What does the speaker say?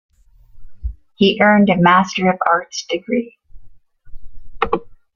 He earned a Master of Arts degree.